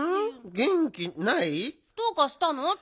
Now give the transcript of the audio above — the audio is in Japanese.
げんきない？どうかしたの？